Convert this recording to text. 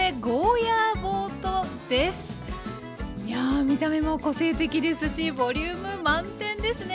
いや見た目も個性的ですしボリューム満点ですね。